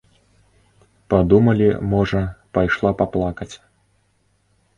Падумалі, можа, пайшла паплакаць.